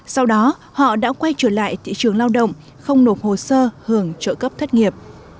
sau đó họ đã quay trở lại thị trường lao động không nộp hồ sơ hưởng trợ cấp thất nghiệp